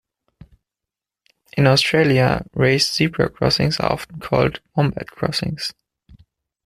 In Australia, raised zebra crossings are often called Wombat Crossings.